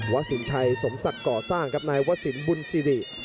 สินชัยสมศักดิ์ก่อสร้างครับนายวสินบุญสิริ